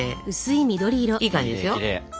いい感じですよ。